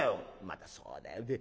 またそうだよ。